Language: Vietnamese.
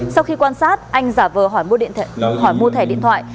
sau khi quan sát anh giả vờ hỏi mua thẻ điện thoại